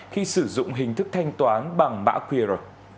khi sử dụng hình thức thanh toán bằng mã qr